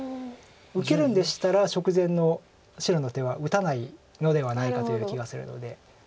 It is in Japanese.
受けるんでしたら直前の白の手は打たないのではないかという気がするので。